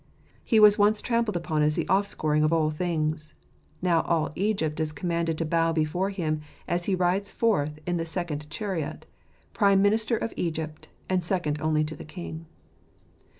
He was once trampled upon as the offscouring of all things; now all Egypt is commanded to bow before him, as he rides forth in the second chariot, prime minister of Egypt, and second only to the king.